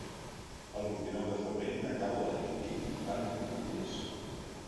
El vint-i-nou de febrer na Gal·la i en Guim van a Granollers.